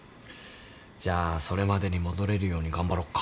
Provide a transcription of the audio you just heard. じゃあそれまでに戻れるように頑張ろっか。